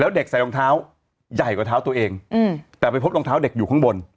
เด็กใส่รองเท้าใหญ่กว่าเท้าตัวเองแต่ไปพบรองเท้าเด็กอยู่ข้างบน